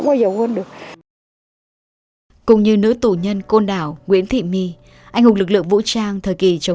giờ quên được cũng như nữ tù nhân côn đảo nguyễn thị my anh hùng lực lượng vũ trang thời kỳ chống